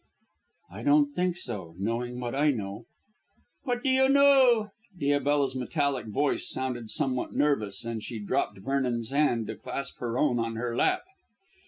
"I don't think so, knowing what I know." "What do you know?" Diabella's metallic voice sounded somewhat nervous, and she dropped Vernon's hand to clasp her own on her lap.